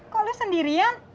kok lo sendirian